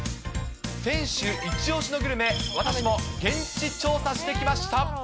選手一押しのグルメ、私も現地調査してきました。